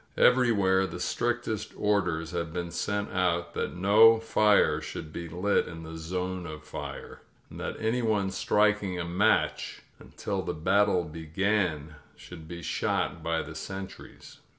Everywhere the strictest orders had been sent out that no fires should be lit in the "zone of fire," and that anyone striking a match until the bat tle began should be shot by the sentries.